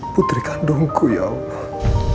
putri kandungku ya allah